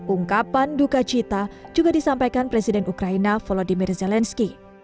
ungkapan duka cita juga disampaikan presiden ukraina volodymyr zelensky